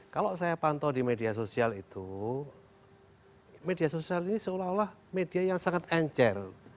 kalau saya pantau di media sosial itu media sosial ini seolah olah media yang sangat encer